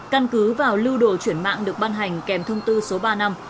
căn cứ vào lưu đồ chuyển mạng được ban hành kèm thông tư số ba năm